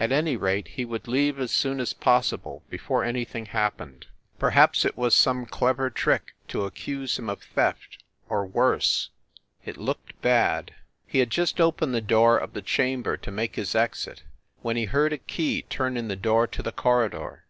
At any rate, he would leave as soon as possible, before anything happened. Per haps it was some clever trick to accuse him of theft or worse. It looked bad. ... He had just opened the door of the chamber to make his exit, when he heard a key turn in the door to the corridor.